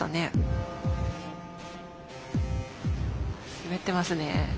滑ってますね。